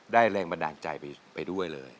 แรงบันดาลใจไปด้วยเลย